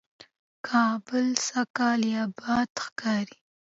کابل سږکال آباد ښکاري،